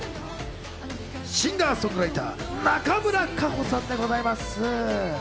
シンガー・ソングライター、中村佳穂さんでございます。